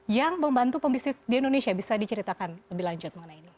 yang membantu pebisnis di indonesia bisa diceritakan lebih lanjut mengenai ini